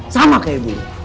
sama kayak dulu